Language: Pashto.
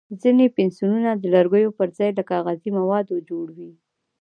ځینې پنسلونه د لرګیو پر ځای له کاغذي موادو جوړ وي.